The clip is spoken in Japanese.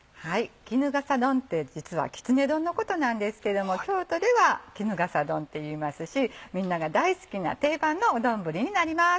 衣笠丼って実はきつね丼のことなんですけども京都では衣笠丼っていいますしみんなが大好きな定番の丼になります。